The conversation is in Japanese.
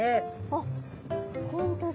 あっ本当だ！